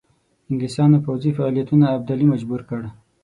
انګلیسیانو پوځي فعالیتونو ابدالي مجبور کړ.